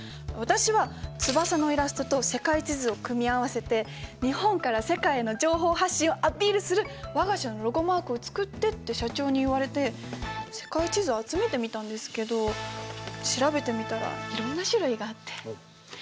私は翼のイラストと世界地図を組み合わせて日本から世界への情報発信をアピールする我が社のロゴマークを作ってって社長に言われて世界地図を集めてみたんですけど調べてみたらいろんな種類があって。